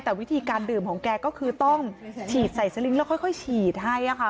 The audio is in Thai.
แต่วิธีการดื่มของแกก็คือต้องฉีดใส่สลิงค์แล้วค่อยฉีดให้ค่ะ